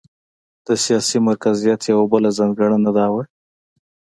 د سیاسي مرکزیت یوه بله ځانګړنه دا وه.